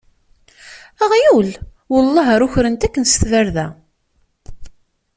Aɣyul? Welleh ar ukren-t akken s tbarda!